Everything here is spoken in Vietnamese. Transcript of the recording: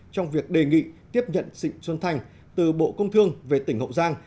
trong việc đề nghị tiếp nhận trịnh xuân thanh từ bộ công thương về tỉnh hậu giang